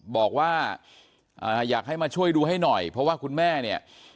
บอกว่าอยากให้มาช่วยดูให้หน่อยเพราะว่าคุณแม่เนี่ย